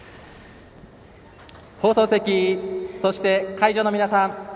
放送席、そして会場の皆さん。